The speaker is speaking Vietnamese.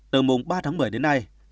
từ mùng ba tháng một mươi đến nay